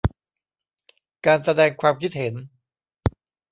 การแสดงความคิดเห็น